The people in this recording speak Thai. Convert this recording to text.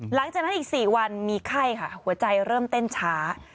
หลังจากนั้นอีก๔วันมีไข้ค่ะหัวใจเริ่มเต้นช้า